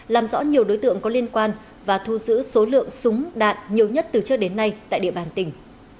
làm rõ nhiều đối tượng có liên quan và thu giữ số lượng súng đạn nhiều nhất từ trước đến nay tại địa bàn tỉnh